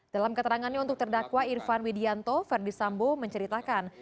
dalam keterangannya untuk terdakwa irfan widianto verdi sambo menceritakan